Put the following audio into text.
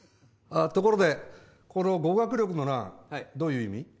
ところでこの語学力の欄どういう意味？